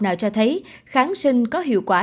nào cho thấy kháng sinh có hiệu quả